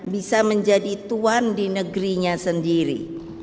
bisa menjadi tuan di negerinya sendiri